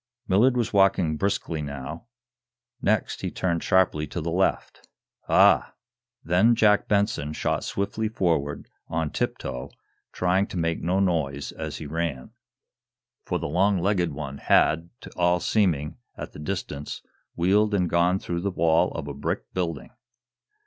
Millard was walking briskly, now. Next, he turned sharply to the left. "Ah!" Then Jack Benson shot swiftly forward on tip toe, trying to make no noise as he ran. For the long legged one had, to all seeming, at the distance, wheeled and gone through the wall of a brick building.